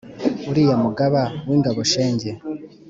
uriya mugaba w'ingaboshenge